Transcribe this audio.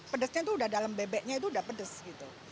pedesnya itu udah dalam bebeknya itu udah pedes gitu